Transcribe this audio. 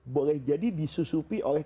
boleh jadi disusupi oleh